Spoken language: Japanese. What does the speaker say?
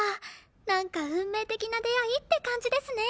なんか運命的な出会いって感じですね。